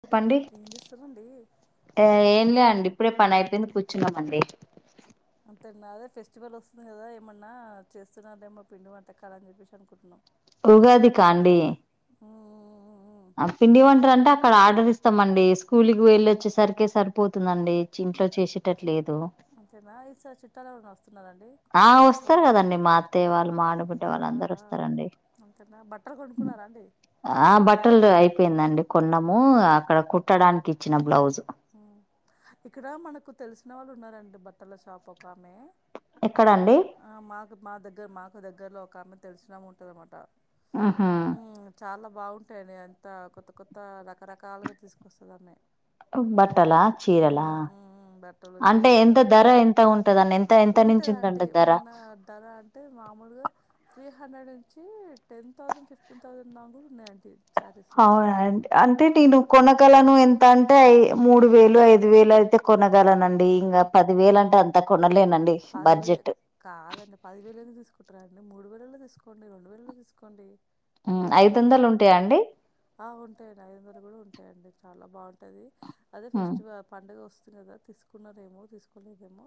చెప్పండి ఏం చేస్తారండి ఏం లే అండి ఇప్పుడే పని అయిపోయింది కూర్చున్నామండి అంతేన్నా అదే ఫెస్టివల్ వస్తుంది కదా ఏమన్నా చేస్తున్నారేమో పిండి వంటకాలని చెప్పేసి అనుకుంటున్నాం ఉగాది కా అండి మ్మ్. ఆ పిండి వంటలు అంటే అక్కడ ఆర్డర్ ఇస్తామండి స్కూల్కి వెళ్ళ వచ్చేసరికి సరిపోతుందండి ఇంట్లో చేసేటట్టు అంతేనా ఈసారి చుట్టాలు ఏమన్న వస్తున్నారా అండి ఆ వస్తారు కదండి మా అత్తయ్య వాళ్ళు మా ఆడబిడ్డ ఆ, వాళ్ళు అందరు వస్తారండి అంతేనా బట్టలు కొనుక్కున్నారా అండి ఆ బట్టలు అయిపోయింది డి కొన్నము అక్కడ కుట్టడానికి ఇచ్చిన బ్లౌజ్ మ్మ్ ఇక్కడ మనకు తెలిసిన వాళ్ళు ఉన్నారండి బట్టల షాప్ ఒక ఆమె ఎక్కడండి ఆ మాకు మా దగ్గర మాకు ఒక దగ్గరలో ఒక ఆమె తెలిసినామ ఉంటదన్నమాట ఆహా బాగుంటాయని అంత కొత్త కొత్త రకరకాలుగా తీసుకొస్తది ఆమె బట్టలా ఉమ్ చీరలా ఉమ్ బట్టలు అంటే చీరలు ఎంత రకరకాల ధర ఎంత ఉంటంద అని ఎంత ఎంత నుంచి ఉంటది ఉంటంట అంటే ధర మన ధర అంటే మామూలుగా త్రీ హండ్రెడ్ నుంచి టెన్ థౌసండ్ ఫిఫ్టీన్ థౌసండ్ దాంక కూడా ఉన్నాయి అంటె అవున అండి అంటె నేను కొనగలను ఎంత అంటే మూడు వేలు ఐదు వేలు అయితే కొనగలనండి ఇంకా పది వేలు అంటే అంత కో పదివేల్ కాదండి పదివేలు ఎందుకు తీసుకు కుంటరండి మూడు వేలల్లో తీసుకోండి రెండు వేలల్లో తీసుకోండి మ్మ్ వెయ్యి ఐదు రూపాయలు వందలు తీసుకోండి ఉంటాయా అండి ఆ ఉంటాయియండి ఐదు వందలు కూడా ఉంటాయండి చాలా బాగుంటది అదే ఉమ్, ఫెస్టివల్ పండుగ వస్ సు కదా తీసుకున్నారేమో తీసుకోలేదేమో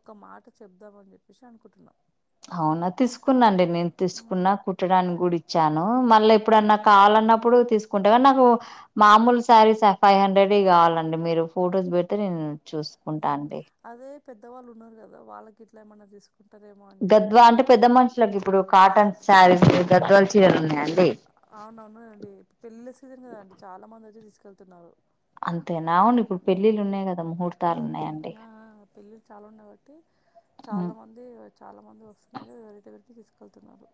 ఒక మాట చెబ్ధం అని చెప్పేసి అనుకుంటున్నా అవునా తీసుకున్నాండి నేను తీసుకున్నా హ్మ్. కుట్టడానికి కూడా ఇచ్చాను. మళ్ళీ ఆ! ఇప్పుడున్నా కావాలన్నప్పుడు, తీసుకుంటా కానీ నాకు మామూలు శారీస్ ఫైవ్ హండ్రెడ్ కావాలండి. మీరు ఫొటోస్ పెడితే నేను ఉహు చూసుకుంటాండి. అదే పెద్దవాళ్ళు ఉన్నారు కదా వాళ్ళకి ఇట్లా ఏమైన్నా తీసుకుంట గద్వా అంటే పెద్ద మనుషులకి ఇప్పుడు కాటన్ సారీస్ గద్వాల్ చీరలు ఉన్నాయండి. అవున అవును అండి పెళ్లిళ్ల సీజన్ కదా అండి. చాలా మంది వచ్చి తీసుకెళ్తున్నారు. అ ఉమ్ ఉహు ఉన్నాయండి ఆ ఆ పెళ్ళిలు చాలా ఉన్నాయి. కాబట్టి చాలా మంది చాలా మంది వస్తున్నారు. వేరిటి వెళ్తున్నారు.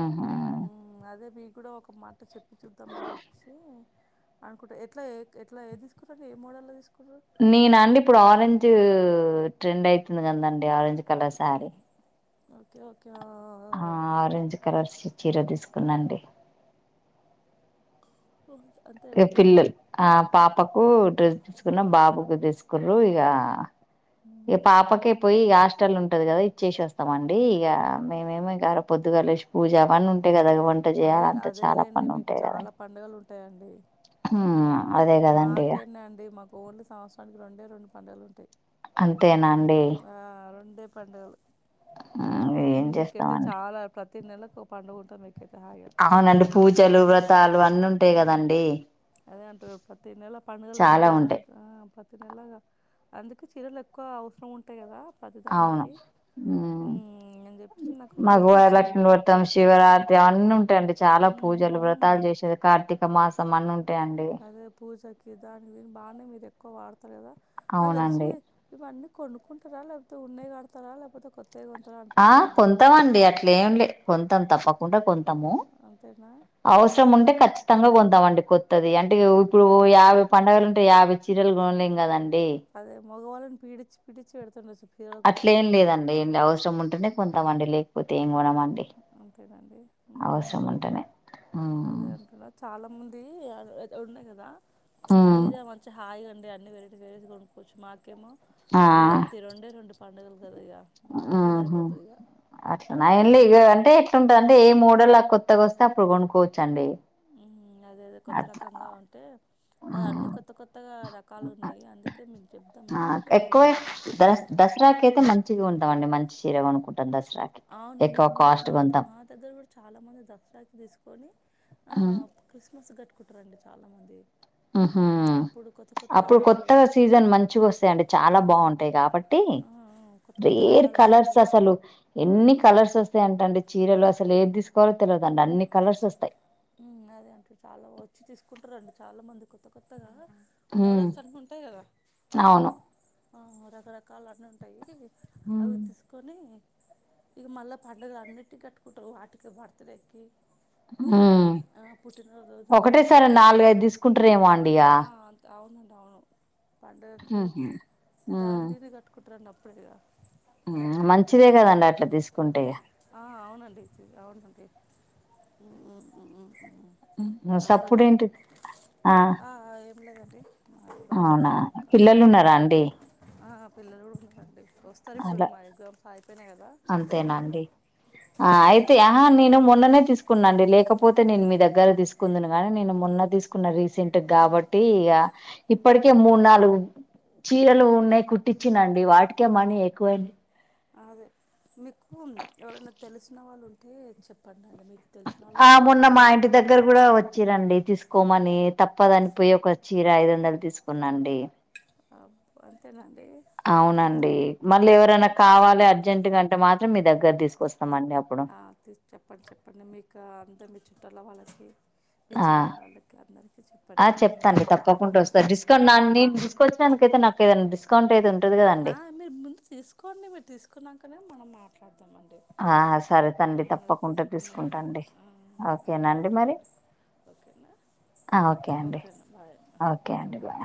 ఉంహా మీకు ఒక మాట చెప్పి చూద్దాంని చెప్పేసి అనుకుంట ఎట్లా ఎట్లా ఏ మోడల్ తీసు నేన అండి ఇప్పుడు ఆరెంజ్ ట్రెండ్ అయితుంది కందండి orange colour sari okay okay ఆ ఆరెంజ్ కలర్స్ చీర తీసుకున్నాండి. ఓ ఈ అంతేనండి పిల్లలు ఆ పాపకు డ్రెస్ తీసుకున్న బాబుకు తీసుకురు ఇగా ఇగ మ్మ్. పాపక పోయి హాస్టల్ ఉంటది కదా ఇచ్చేసి వస్తామండి ఇగా మేమేమి గర పొద్దుగాల లేసి పూజా అవ్వని ఉంటేయి కదా. వంట చేయాల అదే అంత చాలా పని ఉంటాయి కదా. యి అండి. ఉమ్ మాకేన్నాండి మాకు ఓన్లీ సంవత్సరానికి రెండే రెండు పండుగలు ఉంటాయి. అంతేనా అండి. ఇ పండుగలు ఏం మీకైతే చేస్తామండి చాలా ప్రతి నెల ఒక పండుకుంటది. అవునండి పూజలు వ్రతాలు అ ప్రతి నెలా పండుగ లేనిదే చాలా రోజు ఉంటాయి ఉందా త నెల్లాగా అందుకే చీరలు ఎక్కువ అవసరం ఉంటాయి కదా. ప్రతి అవును దానికి మ్మ్, అని చెప్పేసి నాకు మకువారి గుర్తొచ్చింది లక్ష్మీ మీరు వ్రతం శివరాత్రి అవన్నీ ఉంటాయిడి. చాలా మ్మ్, పూజలు మ్మ్. వ్రతాలు చేసేరు కార్తీక మాస. సమానంత అదే పూజకిదాకుద బా మీద ఎక్కువ వాడతారు కదా నాకు తెలిసి అవునండి ఇవన్నీ కొనుక్కుంటారా లేకపోతే ఉన్నే ఆడతారా లేకపోతే కొత్త. ఆ పొంతామండి అట్లే ఏం లే త తప్పకుండా కొంత అంతేనా అవసరం ఉంటే ఖచ్చితంగా అండి కొత్తది అంటే ఇప్పుడు ఓ యాభై పండుగలు ఉంటే యాభై చీరలులేం కదండి. ప్ మగవాళ్ళన్ పీడించి పడి ఎడుతుండ వచ్చు అట్లే ఏం లేదండి ఏం అవసరం ఉంటేనే. కొంతమం లేకపోతే ఏం కోనము అంతేనండి ఉంటేనే హ్మ్. అదే అంటున్నా చాలా మంది అది ఉన్నాయి కదా ఉమ్ మీరే మంచిగా హాయిగా అండి అన్ని వరే వేరస్ కొనువచ్చు మా కేమ ఆ ఈగ అంత రెండే రెండు పాండగలు ఇ వాటికే ఆహా సరిపోతుంది అట్లనా ఇ. అంటే ఎట్లుంటంది అంటే ఏ మూడోళ్ళ కొత్తగాస్తే అప్పుడు కొనుక్కోవచ్చండి. అద కొత్త అట్లా రకంగా ఉంటే అ అన్నిీ కొత్త కొత్తగా రకాలు ఉన్నాయి అందుకే మేము ఆ చెప్దామని ఎక్కువ అనుకున్నామాట. దస్ దసరాకి అయితే మంచిగా ఉంటామం మంచి చీర కొనుకుంటాం అవును మీ మా మా దగ్గర కూడా చాలా మంది దసరాకి తీసుకు కొని ఆ ఉమ్ క్రిస్మస్ గట్ కుంటారండి చాలా మంది ఉ అప్పుడు కొత్తగా సీజన్ మంచిగా వస్తాయిండి చాలా మ్, బాగుంటాయి కాబట్టి ఆ, కొత్త కొత్త రేర్ రకాలు వస్తాయని కలర్స్ చెప్పేసి అసలు. ఎన్ని మ్, కలర్స్ వస్తాయంట అండి చీరలు అసలు. ఏది తీసుకోవాలో తెల్వదండి అన్ని కలర్స్ ఓస్తాయి అదే అంటే చాలా వచ్చి తీసుకుంటారుంటా చాలా మంది కొత్త కొత్తగా హ్మ్ మోడల్స్ అన్నీ ఉంటాయి కదా అవును ఆ రకరకాలనుంటాయి ఉమ్ అవి తీసుకొని ఇగ మళ్ళా పండుగలు అన్నిటికి కట్టుకుంటారు వాటికె బర్త్డేకి ఉ ఆ, పుట్టినరోజు ఒకటే అప్పుడు సారి నాలుగ ఐదు తీసుకుంటారేమో అండి ఇగ ఆ అంత అవునండి అవును పండగకి ఉహు దాన్ దీని కట్టుకుంట్రండి అప్ ప్పుడిగ మంచిదే కదండి అట్లా తీసుకుంటే ఆ అవునండి అవునండి హ్మ్ అట్లని సప్పుడేంటి చెప్పి ఆ ఆ ఏం లేదండి మా అవునా దగ్గర అక్క పిల్లలు ఉన్నారా అండి పిల్లలు కూడా ఉన్నారండి వస్తారు ఇప్పుడు అలా మాక్సిమం సా అంతేనా అండి ఆ ఉమ్. ఆయితే ఆహా నేను మొన్ననే తీసుకున్నాండి లేకపోతే నేను మీ దగ్గర తీసుకుందునుగాని నేను మొన్న తీసుకున్న రీస్ సెంట్ కాబట్టి ఇగ ఇప్పటికే మూడు నాలుగు చీరలు ఉన్నాయి కుట్టించినండి వాటికే మనీ ఎక్కువై అదే మీకు ఎవరైనా తెలిసిన వాళ్ళు ఉం టే చెప్పండి అండి మీకు తెలిసిన వాళ్ళు ఆ ఉంటారు మొన్న చాలా మా మంది ఇంటి దగ్గర కూడా వచ్చిరండి తీసుకోమని తప్పదని పోయి ఒక చీర ఐదు వందల్ది తీసుకున్నాండి అబ్బ అంతేనా అవునండి మళ్ళీ ఎవరైనా కావాలి అర్జెంట్గంటే మాత్రం మీ దగ్గర తీసుకొస్ ఆ చెప్పండి చెప్పండి మీకా అంతా మీచ్ చుట్టాల వాళ్ళకి మీ ఆ చెల్లె వాళ్ళకి అందరికీ ఆ చెప్పండి ఈ యొక్క చెప్తానండి మాట తప్పకుండా ఓస్తా డిస్కౌంట్ నాక్ నేను తీసుకొచ్చినందుకైతే నాకేదయినా డిస్ ఆ మీరు ముందు తీసుకోండి మీరు తీసుకున్నాకనే మనం మా మాట్లాడ్ తామండి ఆ సరే తండి హు తప్పకుండా తీసుకుందామండి తీసుకుంటాండి హు అయితే ఓకేనండి మరి ఉంటాడండి ఓకే అండి ఓకే అండి బాయ్ అండి ఓకే అండి బాయ్